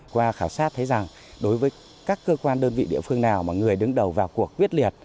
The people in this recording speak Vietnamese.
qua khảo sát thấy rằng đối với các cơ quan đơn vị địa phương nào mà người đứng đầu vào cuộc quyết liệt